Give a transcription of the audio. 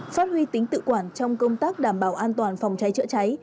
phát huy tính tự quản trong công tác đảm bảo an toàn phòng cháy chữa cháy